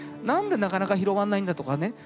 何でなかなか広がんないんだとかね